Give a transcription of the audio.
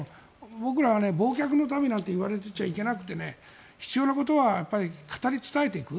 僕らは忘却の民なんていわれていちゃ駄目で必要なことは語り伝えていく。